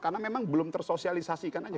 karena memang belum tersosialisasikan saja